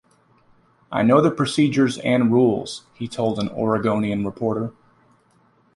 "I know the procedures and rules," he told an "Oregonian" reporter.